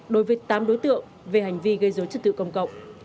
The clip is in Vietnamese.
đối với tám đối tượng về hành vi gây dối trật tự công cộng